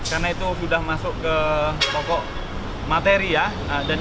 karena itu sudah masuk ke pokok materi ya